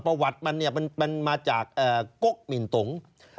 ประวัติมันมาจากกกมินตง